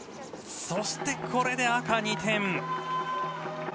そして、これで赤、２点。